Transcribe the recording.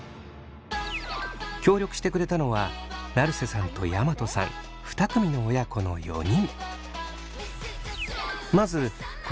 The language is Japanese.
協力してくれたのは成瀬さんと山戸さん２組の親子の４人。